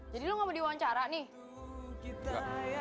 jadi lo nggak mau diwawancara nih